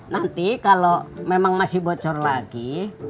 nanti kalau memang masih bocor lagi